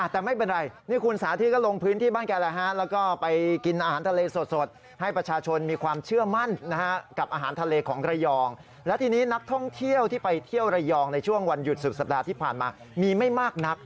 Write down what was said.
แต่ไม่เป็นไรนี่คุณสาธิตก็ลงพื้นที่บ้านแก่แล้วฮะ